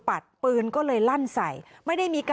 ไม่รู้จริงว่าเกิดอะไรขึ้น